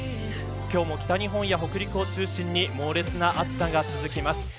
今日も、北日本や北陸を中心に猛烈な暑さが続きます。